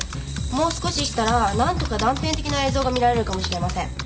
もう少ししたらなんとか断片的な映像が見られるかもしれません。